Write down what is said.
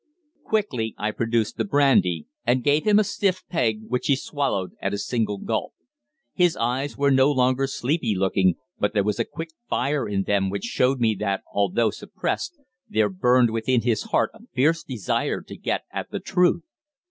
Quickly I produced the brandy, and gave him a stiff peg, which he swallowed at a single gulp. His eyes were no longer sleepy looking, but there was a quick fire in them which showed me that, although suppressed, there burned within his heart a fierce desire to get at the truth.